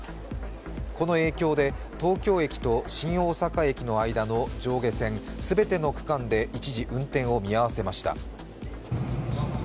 この影響で東京駅と新大阪駅の間の上下線すべての区間で一時、運転を見合わせました。